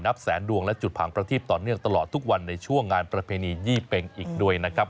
แสนดวงและจุดผังประทีปต่อเนื่องตลอดทุกวันในช่วงงานประเพณียี่เป็งอีกด้วยนะครับ